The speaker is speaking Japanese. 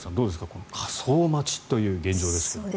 この火葬待ちという現状ですが。